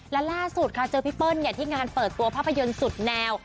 และล่าสุดค่ะเจอพี่เปิ้ลที่งานเปิดตัวภาพยนตร์สุดแนว